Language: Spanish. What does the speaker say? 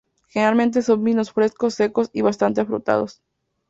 Generalmente son vinos frescos, secos y bastante afrutados.